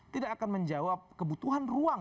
tidak akan menjawab kebutuhan ruang